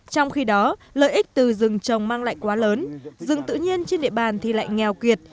trong khi đó lợi ích từ rừng trồng mang lại quá lớn rừng tự nhiên trên địa bàn thì lại nghèo kiệt